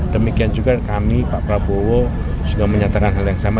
demikian juga kami pak prabowo sudah menyatakan hal yang sama